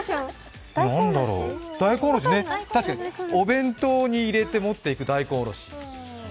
確かに、お弁当に入れて持っていく大根おろし。